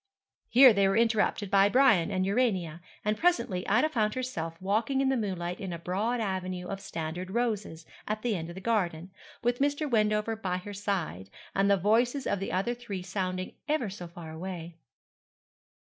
Here they were interrupted by Brian and Urania, and presently Ida found herself walking in the moonlight in a broad avenue of standard roses, at the end of the garden, with Mr. Wendover by her side, and the voices of the other three sounding ever so far away.